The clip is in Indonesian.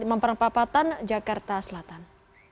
mampang pratan jakarta selatan